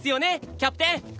キャプテン！